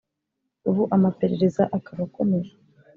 ubu amaperereza akaba akomeje